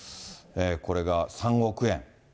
これが３億円。